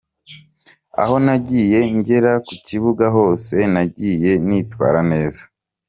Aho nagiye ngera ku kibuga hose nagiye nitwara neza.